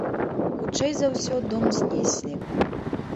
Хутчэй за ўсё, дом знеслі.